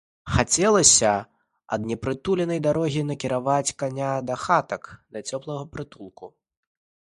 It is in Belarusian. Хацелася ад непрытульнай дарогі накіраваць каня да хатак, да цёплага прытулку.